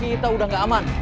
kita udah nggak aman